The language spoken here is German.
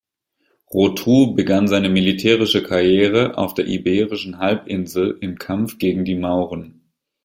Rotrou begann seine militärische Karriere auf der Iberischen Halbinsel im Kampf gegen die Mauren.